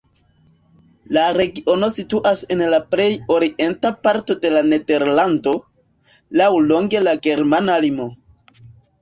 La regiono situas en la plej orienta parto de Nederlando, laŭlonge la germana limo.